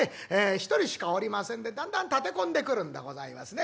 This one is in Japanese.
一人しかおりませんでだんだん立て込んでくるんでございますね。